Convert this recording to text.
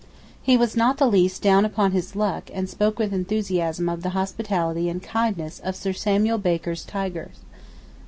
He was not the least 'down upon his luck' and spoke with enthusiasm of the hospitality and kindness of Sir Samuel Baker's 'tigers.